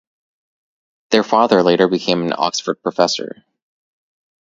Their father later became an Oxford professor.